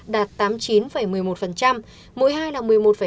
đạt tám mươi chín một mươi một mỗi hai là một mươi một hai mươi ba